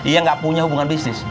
yang gak punya hubungan bisnis